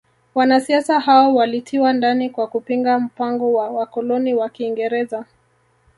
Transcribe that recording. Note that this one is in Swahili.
Wanasiasa hao walitiwa ndani kwa kupinga mpango wa wakoloni wa kiingereza